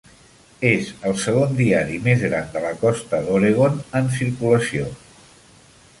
És el segon diari més gran de la costa d'Oregon en circulació.